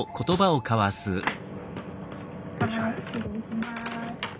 はい失礼します。